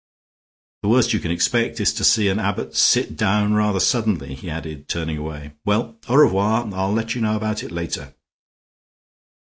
"The worst you can expect is to see an abbot sit down rather suddenly," he added, turning away. "Well, au revoir; I'll let you know about it later."